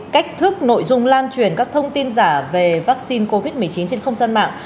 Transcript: cách thức nội dung lan truyền các thông tin giả về vaccine covid một mươi chín trên không gian mạng